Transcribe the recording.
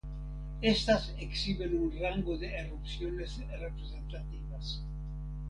Estas exhiben un rango de erupciones representativas.